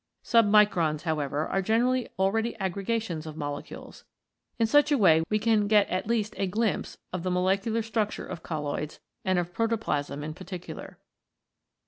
Submicrons, however, are generally already aggregations of molecules. In such a way we can get at least a glimpse of the molecular structure of colloids, and of protoplasm in particular.